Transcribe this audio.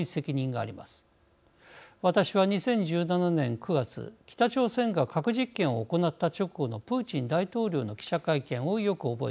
私は２０１７年９月北朝鮮が核実験を行った直後のプーチン大統領の記者会見をよく覚えています。